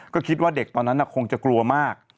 ก็คิดว่าเด็กตอนนั้นคงจะกลัวมาก